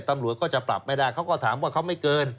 ตำรวจก็จะปรับไม่ได้เขาก็ถามว่าเขาไม่เกิน